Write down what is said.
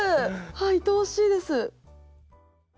いとおしいです。